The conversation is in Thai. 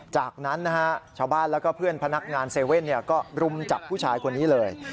จากนั้นนะฮะชาวบ้านแล้วก็เพื่อนพนักงาน๗๑๑ก็รุมจับผู้ชายคนนี้เลย